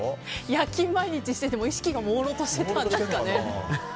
夜勤毎日してて意識がもうろうとしてたんですかね。